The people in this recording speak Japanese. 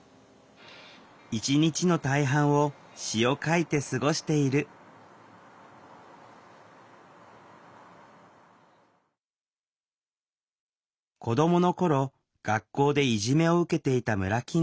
一日の大半を詩を書いて過ごしている子どもの頃学校でいじめを受けていたムラキングさん。